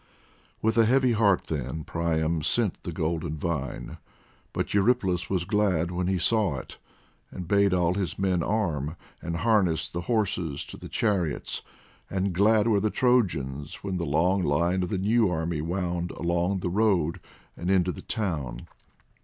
With a heavy heart, then, Priam sent the golden vine, but Eurypylus was glad when he saw it, and bade all his men arm, and harness the horses to the chariots, and glad were the Trojans when the long line of the new army wound along the road and into the town.